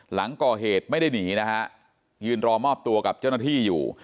หลังก่อเหตุไม่ได้หนีนะฮะยืนรอมอบตัวกับเจ้าหน้าที่อยู่